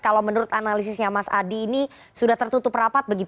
analisisnya mas adi ini sudah tertutup rapat